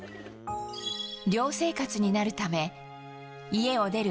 寮生活になるため家を出る